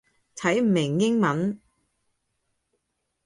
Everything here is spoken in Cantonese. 睇唔明英文